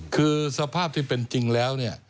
คือสภาพที่เป็นจริงแล้ว